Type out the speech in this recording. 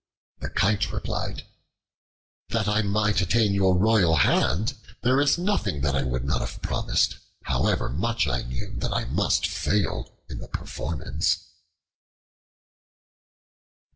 The Kite replied, "That I might attain your royal hand, there is nothing that I would not have promised, however much I knew that I must fail in the performance."